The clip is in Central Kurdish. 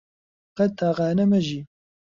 قەت تاقانە مەژی